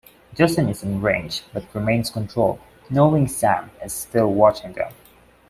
Justin is enraged, but regains control, knowing Sam is still watching them.